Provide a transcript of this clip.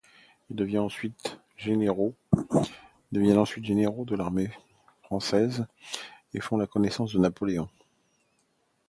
Ils deviennent ensuite généraux de l'armée française et font la connaissance de Napoléon.